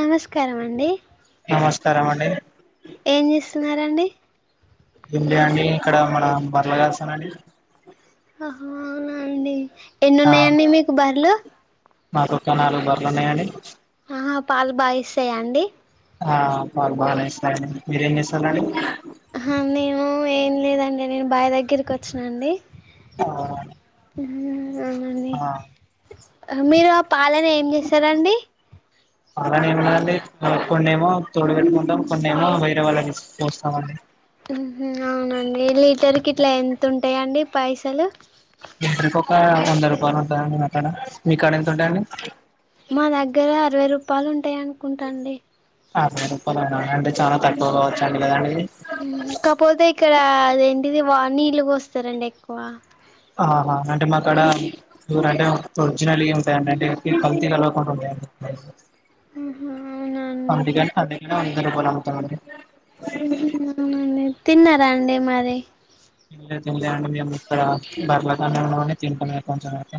నమస్కారం అండి నమస్కారం అండి ఏం చేస్తున్నరండి ఏం లే అండి ఇక్కడ మన బరలకాస్తానండి ఆహ అవునండి ఎన్ని ఉన్నాయండి మీకు బర్లు మాకొక్క నాలుగు బర్లు ఉన్నాయండి ఆహా పాలు బా ఇస్తాయాండి ఆ పాలు బాగా ఇస్తాండి మీరు ఏం చేస్తారు అండి హా నేను ఏం లేదండి నేను భాయ్ దగ్గరికి వచ్చినండి ఆ హు అవునండి ఆ హా మీరు పాలనీ ఏం చేస్తారండి అలానే ఏమన్నాండి కొన్నేమో తోడు పెట్టుకుంటాం కొన్నేమో వేరే వాళ్ళకి ఇస్ పోస్తాం అండి ఉహ్ అవునండి లీటర్కి ఇట్లా ఎంత ఉంటాయిండి పైసలు లెటర్ ఒక వంద రూపాయలు ఉంటాయండి మా కడ మీ కడ ఎంత ఉంటాయండి మా దగ్గర అరవై రూపాయలు ఉంటాయి అనుకుంటాండి ఆ సే రూపాలు అయ్యాయి అంటే చాలా తక్కువ కావచ్చండి లేదండి ఇకపోతే ఇక్కడ అదేంటిది వానీళ్లు పోస్తారండి ఎక్కువ ఆహా అంటే మాకడ ఊరు అంటే ఒరిజినల్ ఉంటాయండి అంటే కల్తీ కలవకుండా ఉంటాయండి ఉహు, అవునా అండి అందులే పొలంమత్తండి ఉ అవునండి తిన్నారా అండి మరి తిన్లే తిన్లే అండి మేము ఇక్కడ బర్లతోనే ఉన్నామని తింటున్నాయి కొంచెం అయితే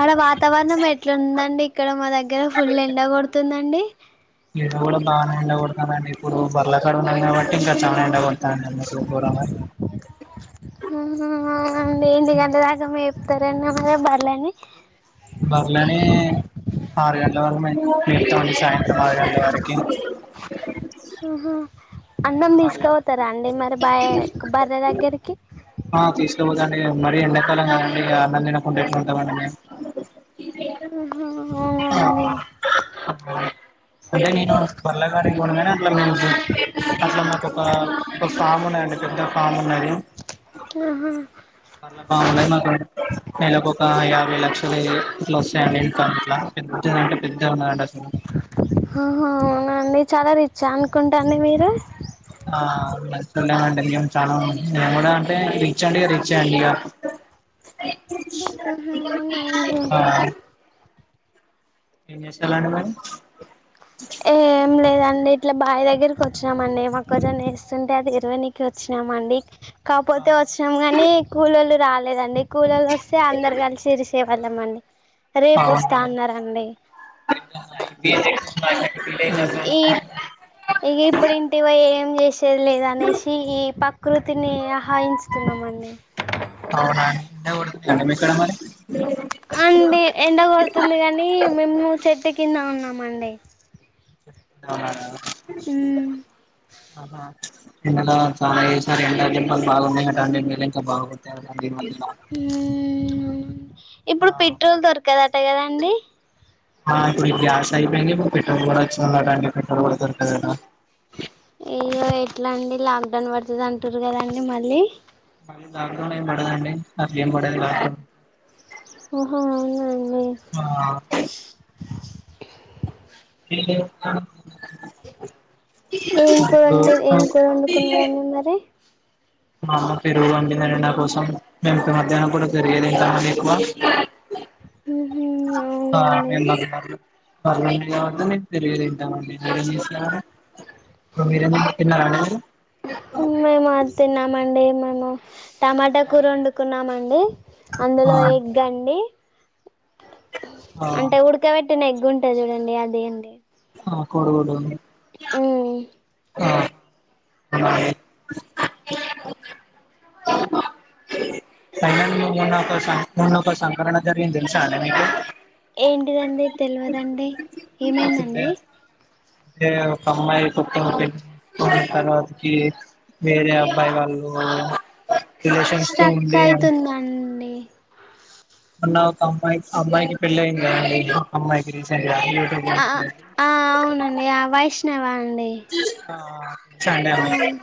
ఆడ వాతావరణం అట్లుండండి ఇక్కడ మా దగ్గర ఫుల్ ఎండ కొడుతుందండి ఇడా కూడా బానే ఎండ కొడతాండి ఇప్పుడు బార్ల కడ ఉన్నాం కాబట్టి ఇంకా చానా ఎండ కొ ఆహా ఏంది గంటదాక తరనే మ బర్లని బర్లేని ఆరు గంటల వరక్ మే మేతామండి సాయంత్రం ఆరు గంటలవరకి ఆహా అన్నం తీసుకుపోతారా అండి మరి బాయ బర్రె దగ్గరికి ఆ తీసుకోపోతండి మరి ఎండాకాలం కాదండి అన్నం తినకుండా ఎట్లు ఉంటామండి మేము ఉహ్ అవునండి అదే నేను బార్లగడికి పోనుగని అట్లా నేను నక్ ఒక కొ ఫామ్ ఉండండి పెద్ద ఫామ్ ఉన్నది ఆహా అట్లా ఫామ్ ఉన్నది మాకు నెలకి ఒక యాభై లక్షలు ఇట్లా వస్తాయండి ఇంకా అట్లా పెద్దంటే పెద్ద హోహో అవునండి చాలా రిచ్ అనుకుంటండి మీరు ఆ చూడలేమండి చాలా నేను కూడా అంటే రీచ్ అండి రీచ్ ఎ అండి ఇగ ఆహా అవునా అండి ఆ ఎం చేస్తున్నారండి మీరు ఏం లేదండి ఇట్లా బావి దగ్గరికి వచ్చమ అండి మొక్కజొన్న వేస్ స్తుంటే అది ఇరవనికి వచ్చినామ అండి కాకపోతే వచ్చినాం గానీ కూలోళ్లు రాలేదండి కూలోళ్లు వస్తే అందరు కలిసి ఇరిసేవళ్లంమండి రేపు వస్తా అవునండి అన్నారండీ ఈ ఇక ఇప్పుడు ఇంటికిపోయి ఏం చేసేది లేదనేసి ఈ ప్రకృతిని అహానిస్తూనం అండి అవునా ఎండ కొడుతోంది అండి మీక్కడ మరి అండి ఎండగొడుతుంది కాని మేము్ చెట్టు కింద ఉన్నామండి అవునా ఆహా ఇ నెల చాలా ఎండా ఏసిన దెంపల్ బాగున్నాయటండి మ ఇంకా బాగున్నాయి ఈ మద్య హు ఆ ఇప్పుడు పిట్రోల్ దొరకదట కదా అండి ఆ ఇప్పుడు గ్యాస్ అయిపోయింది ఇపుడ్ పెట్రోల్ కూడా వచ్చిందిట అండి పెట్రోల్ పడతారు కదట ఇగ ఎట్లా అండి లాక్ డౌన్ పడుతది అంటురు కదండి మళ్ళీ కానీ లాక్ డౌన్ ఎం పడదండి అట్లెం పాడది లాక్ ఓహో అవునా అండి ఆ ఏం కూరండి ఏం కూర [unintelligible] తీయే వండుకున్నారండి మరి మా అమ్మ పెరుగు వంపింది అండీ నా కోసం మేము మధ్యాహ్నం పూట పెరిగే తింటాం అండీ ఎక్కువ ఉహు అ ఆ మేము మధ్య మధ్యలో మర్లండి కాబట్టి పెరిగే తింటామండి మీర్ ఏం జేసరు మీరు మేమ తిన్నానండీ మర్ ను టమాటా కూర ఓండుకున్నామండి అందులో ఆ ఎగ్ అండి ఆ అంటే ఉడ్కవేట్టిన ఎగ్ ఉంటది చూడండి అదే అండి ఆ కోడిగుడ్డు ఉమ్ ఆ మరి ఐన నువ్ మొన్న ఒక సంఘటన జరిగింది తెలుసా అండి మీకు ఏంటిదండి తెల్వదండి ఏమైందండి అంటే ఒక అమ్మాయి తప్పిపోయింది మళ్ళీ తర్వాతకి వేరే అబ్బాయి వాళ్ళు రిలేషన్స్ తో స్ట్రక్ ఉండే వాళ్ళు అయితుందండి మొన్న ఒక అమ్మాక్ అబ్బాయికి పెళ్ళింది గద అండి అమ్మాయికి రీసెన్ అ అ ఆ అవునండి ఆ వైష్ణవ అండి ఆ చండే అండి అవును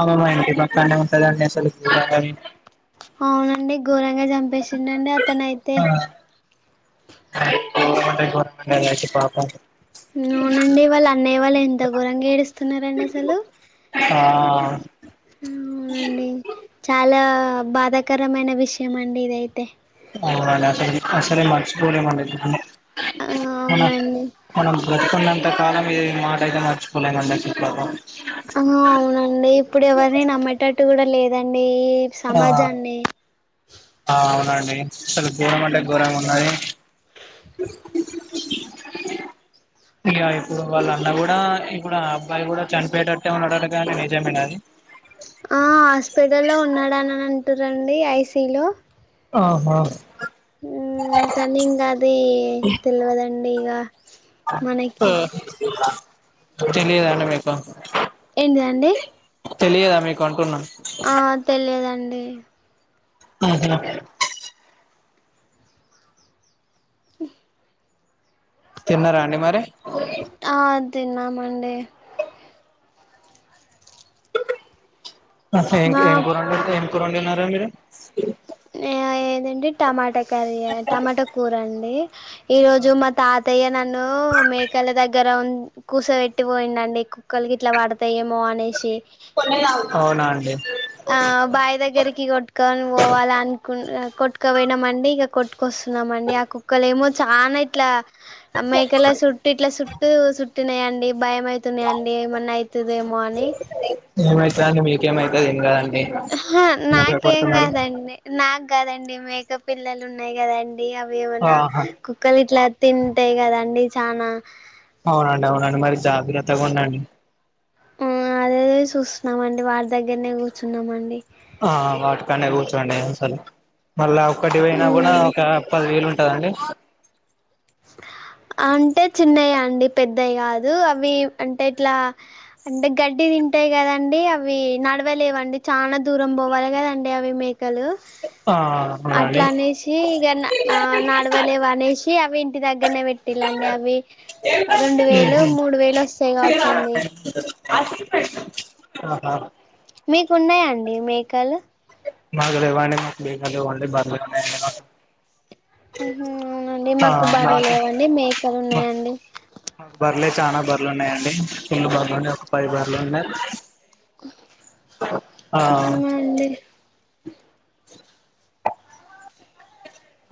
ఆమె మా ఇంటి పక్కనే ఉంటదండి అసలు పోయిరావెలి అవునండి ఘోరంగా చంపేసిండండి అతనయితే ఆ గోరం అంటే గోరమండి అది అయితే పాపం ఉమ్ అవునండి వాళ్ళ అన్నయ్య వాళ్ళు ఎంత ఘరంగా ఏడుస్తున్నారండి అసలు ఆ ఉమ్ అండి చాలా బాధాకరమైన విషయం అండి ఇదయితే అవునండి అసల్ ఈ అసలే మర్చిపోలేమండీ ఈ సంఘటన ఆ మన అవునండి మనం బ్రతికున ఇంతకాలం ఇగ ఈ మాట అయితే మర్చిపోలేమండి అసల్ పాపం ఆ అవునండి ఇప్పుడ్ ఎవరిని నమ్మేటట్టు గూడా లేదండి ఈ ఆ సమాజాన్ని ఆ అవునండి అసల్ గోరం అంటే గోరంగ ఉన్నది ఇగ ఇప్పుడు వాళ్ళ అన్న గూడా ఇప్పుడు ఆ అబ్బాయి గూడా చనిపోయేటట్టే ఉన్నడంట గదా అండి నిజమేనా ఆది ఆ హాస్పిటల్ లో ఉన్నాడానని అంటున్నరండి ఐసీలో ఆహా ఉమ్ కనీం గది తెల్వదండి ఇగ అంత తెలిదాండి మీకు ఏంటిదండి తెలియదా మీకు అంటున్నా ఆ తెలియదండి ఆహా ఉ తిన్నరా అండి మరి ఆ తిన్నం అండి అసల్ ఇంకేం మా కు ఏం కుర్రొండిరు ఏం కుర్రొండినరు మీరు ఆ ఏదండి టమాటా కర్రీ టమాటా కూర అండి ఈ రోజు మా తాతయ్య నన్ను మేకల దగ్గర ఉ కూసబెట్టి పోయిండండి కుక్కల్ గిట్ల వడతయేమో అనేషి అవునా అండి ఆ బావి దగ్గరికి గోట్టుకోని పోవాలని కొట్టుక పోయినామండి ఇక కొట్టుకొస్తున్నామండి ఆ కుక్కలేమో చానా ఇట్లా అ మేకల సుట్టు ఇట్లా సుట్టూ సుట్టినయండి భయమయితున్నయండి ఏమన్న ఐతదేమో అని ఏమైతదండి మీకేమైతది ఏం కాదండి ఆహ ఎందుకు నాకేం భయపడుతున్నారు కాదండి నాక్ కాదండి మేక పిల్లున్నాయి కదండి డి అవేవన్నా ఆహా కుక్కలిట్లా తింటైగదండి చానా ఔనండి ఔనండి మరి జాగ్రత్తగుండండి ఉ అదేదే చూస్తున్నామండి వాడి దగ్గర్నె కూర్చున్నామండి ఆ వాటిపైన్నే కూర్చోండి అసలు మళ్ళా ఒక్కటివొయినా కూడా మ్మ్ ఒక పది వేలు ఉంటదండి అంటే చిన్నయాండి పెద్దయి కాదు అవి అంటే ఇట్లా అంటే గడ్డి తింటై కదండి అవి నడ్వలేవండి చానా దూరం బోవాలెగదండి అవి మి ఇకలూ ఆ అవునండి అట్లానేసి ఇగ ఆ నడ్వలేవనేసి అవి ఇ టి దగ్గర్నె పెట్టిల్లండి అవి రెండు వేలో మూడు వేలొస్తాయి కావచ్చండి ఆహా మీకున్నాయాండి మేకలు మాకులేవ్వండి మాకు గేదెలు ఓన్లీ బర్లే ఉన్నాయండి మాకు ఉహు ఔనండి ఆ మాకు బర్లు లేవండి మేకలున్నాయండి మాకూ బర్లే చానా బర్లుంన్నాయండి ఫుల్లు బర్లున్నాయి పది బర్లున్నై ఆ అవునండి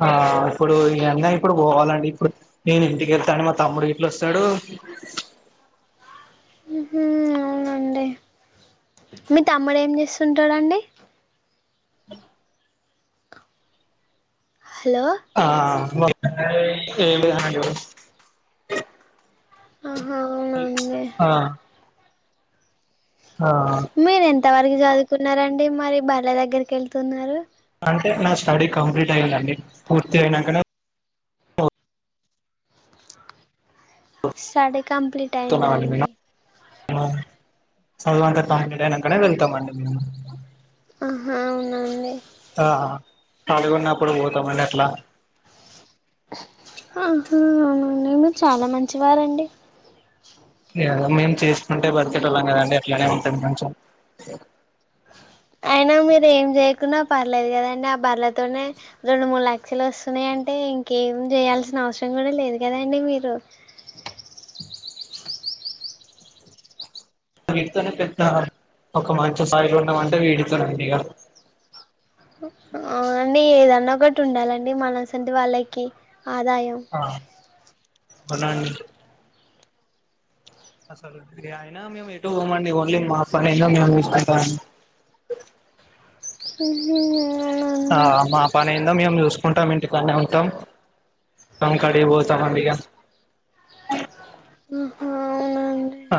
ఆ ఇప్పుడు ఈ అన్న ఇప్పుడు పోవాలండి ఇప్పుడు నేను ఇంటికెళ్తాను మా తమ్ముడు ఇట్లోస్సడు [inaudible] ఉహు ఔనండి మీ తమ్ముడేం జేస్తుంటాడండి హలో ఆ ఆహా అవునండి [unintelligible] ఆ హా తవరకు జదువుకున్నారండి మరి బర్ల దగ్గర్కెళ్తున్నారు అంటే నా స్టడీ కంప్లీటైందండి పూర్తైనంకనే స్టడీ కంప్లీటైందాండి మం సదువంత కంప్లీటైనంకనే వెళ్తామండి మేము ఆహా ఔన అండి కాలీగున్నప్పుడు పోతామండి అట్లా ఆహా అవునండి మీరు చాలా మంచివారండి ఏదో మేము చేస్కుంటే బత్కేటోళ్ళం గదండి అట్లానే ఉంటం కొంచం అయినా మీరేం చేయకున్నా పర్లేదు కదండి ఆ బర్లతోనే రెండు మూడు లక్షలొస్తున్నాయి అంటే ఇంకేం జెయ్యాల్సిన అవ్సరం గూడా లేదు గదండి మీరు వీటితోనే పెద్దా ఒక మంచి స్థాయిలో ఉన్నమంటే వీటితోనేండిగా హా అండి ఏదన్నోకటి ఉండాలండి మనసొంటి వాళ్ళకి ఆదాయం ఆ అవున అండి అస్సలు అయినా మేము ఎటూ పోమండి ఓన్లీ మా పనేందో మేం చూస్కుంటాం ఉహు ఉంటాం ఇంటికానే ఉంటాం టంకాడి వొతామండి గా ఉహు ఔనా ఆ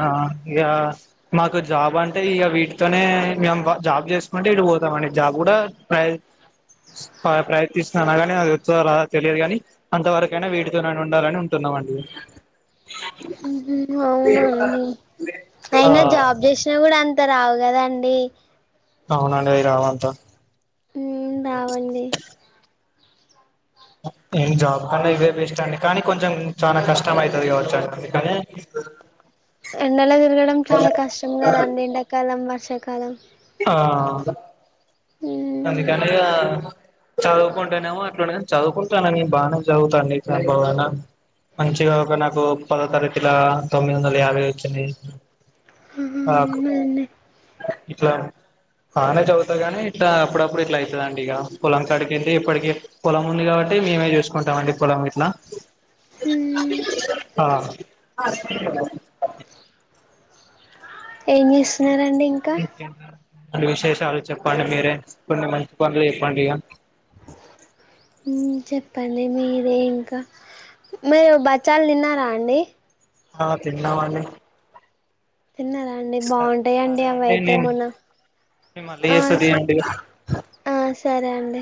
ఇగా మాకు జాబ్ అంటే ఇగ వీటితోనే మేము జాబ్ జేస్కుంటే ఇటూ పోతామండి జాబ్ కూడా ఐద్ స్ప ప్రయత్నిస్తున్నాను గాని అదొత్తదోరాదో తెలీదు గాని అంతవరకైనా వీటితోనన్నుండాలని ఉంటున్నా నవ్వండి అహా ఔనాండి ఆ అయినా జాబ్ జేష్నా గూడా అం త రావు గదాండి ఔనండి ఈ రవంత ఉ దావండి ఎమ్ జాబ్ కన్నా ఇవె వెస్ట్ అండి కానీ కొంచెం చాలా కష్టం అయితది కావచ్చండి కానీ ఎండలో తిరగడం చాలా కష్టం కదండి ఎండాకాలం, వర్షాకాలం ఆ గా ఉమ్ అందుకనీ ఇగా చదువుకుంటానేమో అట్లాండే చదువుకుంటాన న బాగానే చదువుతాను నీ చప్పవనా మంచిగా ఒక నాకు పదో తరగతిలా తొమ్మిది వందల యాభై వచ్చినాయి. నాకు అవునండి ఇట్లా బానే చదువుతాది గానీ ఇట్లా అప్పుడప్పుడు ఇట్లా అయితుందిండి ఇగ పొలం కాండికి వెళ్లి ఇప్పటికీ పొలం ఉంది కాబట్టి అంటే మేమే చూసుకుంటాం అండి పొలం గిట్లా ఉమ్ ఆ ఏం చేస్తున్నారండి ఇంకా అన్ని విశేషాలు చెప్పండి మీరే కొన్ని మంచి పనులు చెప్పండి ఇగ చెప్పండి మీరే ఇంకా మీరు బచ్చాలు తిన్నారా అండి? ఆ తిన్నామ్ అండి. తిన్నారా అండి బావుంటాయండి అవి అయితే ఏ మొన్న ఏ నేన్ మళ్ళీ ఆ చేస్తా స తియండి ఇగ ఆ సరే అండి